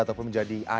atau menjadi anak